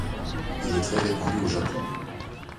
Il est très répandu au japon.